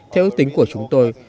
theo ước tính của chúng tôi